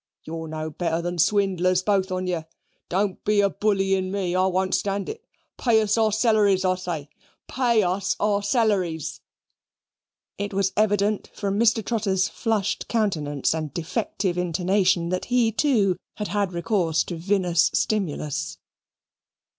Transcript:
You're no better than swindlers, both on you. Don't be a bullyin' ME. I won't stand it. Pay us our selleries, I say. Pay us our selleries." It was evident, from Mr. Trotter's flushed countenance and defective intonation, that he, too, had had recourse to vinous stimulus.